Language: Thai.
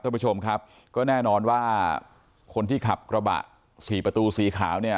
ท่านผู้ชมครับก็แน่นอนว่าคนที่ขับกระบะสี่ประตูสีขาวเนี่ย